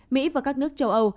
mỹ và các nước châu âu